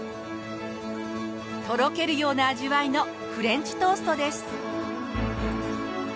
とろけるような味わいのフレンチトーストです。